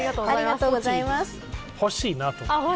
欲しいなと思う。